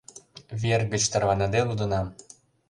Вер гыч тарваныде лудынам.